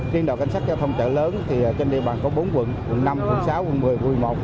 trên đội cảnh sát giao thông chợ lớn thì trên địa bàn có bốn quận năm quận sáu quận một mươi quận một mươi một